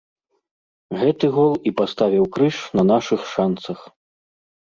Гэты гол і паставіў крыж на нашых шанцах.